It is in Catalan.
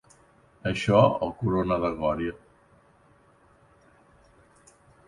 Això el corona de glòria.